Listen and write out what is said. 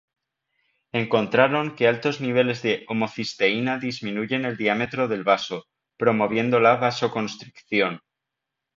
Encontraron que altos niveles de homocisteína disminuyen el diámetro del vaso, promoviendo la vasoconstricción.